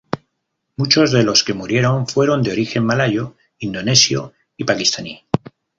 Muchos de los que murieron fueron de origen malayo, indonesio y paquistaní.